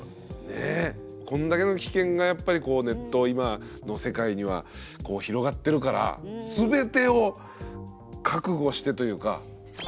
こんだけの危険がやっぱりこうネット今の世界にはこう広がってるから全てを覚悟してというか。